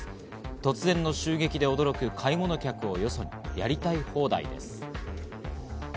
突然の襲撃で驚く買い物客をよそに、やりたい放題です。